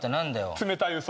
冷たい嘘